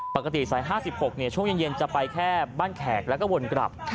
ปกติสาย๕๖ช่วงเย็นจะไปแค่บ้านแขกแล้วก็วนกลับ